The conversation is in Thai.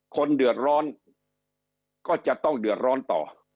คนเดือดร้อนก็จะต้องเดือดร้อนต่อ